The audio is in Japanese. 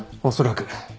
おそらく。